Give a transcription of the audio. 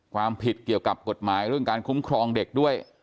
ความผิดเกี่ยวกับกฎหมายเรื่องการคุ้มครองเด็กด้วย